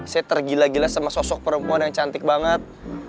saya tergila gila sama sosok perempuan yang cantik banget